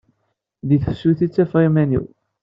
Di tefsut i ttafeɣ iman-iw.